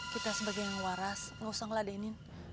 kita sebagai yang waras gak usah ngeladenin